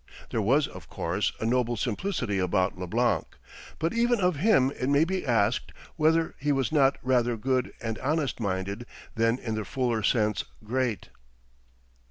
There was, of course, a noble simplicity about Leblanc, but even of him it may be asked whether he was not rather good and honest minded than in the fuller sense great.